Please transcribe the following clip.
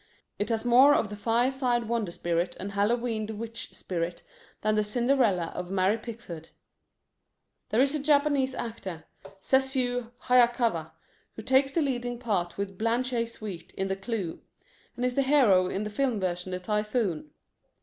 It has more of the fireside wonder spirit and Hallowe'en witch spirit than the Cinderella of Mary Pickford. There is a Japanese actor, Sessue Hayakawa, who takes the leading part with Blanche Sweet in The Clew, and is the hero in the film version of The Typhoon.